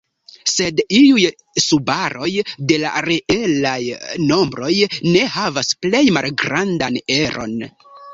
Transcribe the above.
Sed iuj subaroj de la reelaj nombroj ne havas plej malgrandan eron.